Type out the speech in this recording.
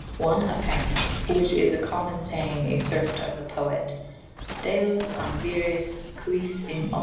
One apparent/ whiche is a co;«mon sayenge vfurped of the poete Dalus an viris quis in •B.